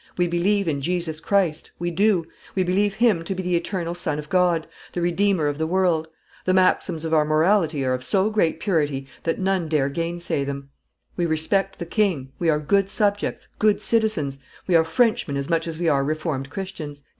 We believe in Jesus Christ, we do; we believe Him to be the Eternal Son of God, the Redeemer of the world; the maxims of our morality are of so great purity that none dare gainsay them; we respect the king; we are good subjects, good citizens; we are Frenchmen as much as we are Reformed Christians."